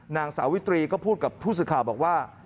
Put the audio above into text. นางสาวิตรีก็พูดกับผู้สื่อข่าวบอกว่า